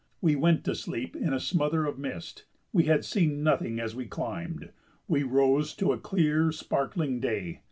We went to sleep in a smother of mist; we had seen nothing as we climbed; we rose to a clear, sparkling day.